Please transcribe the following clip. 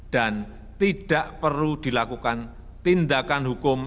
dan tidak perlu dilakukan tindakan hukum